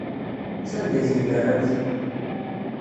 Sanda ay ten-terramt?